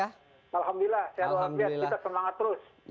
alhamdulillah sehat alhamdulillah kita semangat terus